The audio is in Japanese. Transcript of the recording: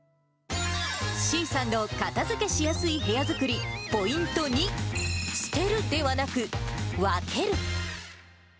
ｓｅａさんの片づけしやすい部屋作り、ポイント２、捨てるではなく、分ける。